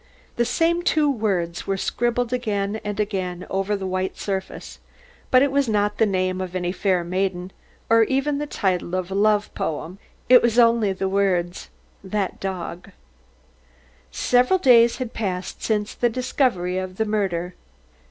The same two words were scribbled again and again over the white surface, but it was not the name of any fair maiden, or even the title of a love poem; it was only the words, "That dog " Several days had passed since the discovery of the murder.